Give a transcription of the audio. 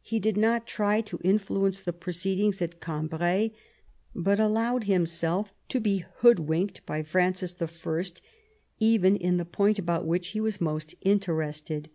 He did not try to influence the proceed ings at Cambrai, but allowed himself to be hoodwinked by Francis I., even in the point about which he was most interested.